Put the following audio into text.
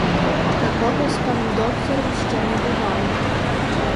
Такого з паном доктором ще не бувало.